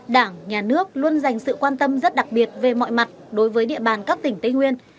đảng nhà nước luôn dành sự quan tâm rất đặc biệt về mọi mặt đối với địa bàn các tỉnh tây nguyên